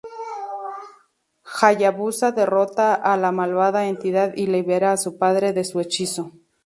Hayabusa derrota a la malvada entidad y libera a su padre de su hechizo.